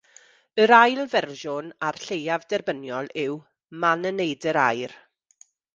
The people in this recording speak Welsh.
Yr ail fersiwn a'r lleiaf derbyniol yw "man y neidr aur".